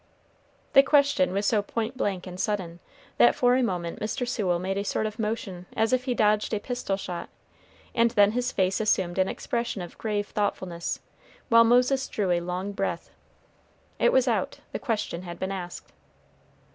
The question was so point blank and sudden, that for a moment Mr. Sewell made a sort of motion as if he dodged a pistol shot, and then his face assumed an expression of grave thoughtfulness, while Moses drew a long breath. It was out, the question had been asked.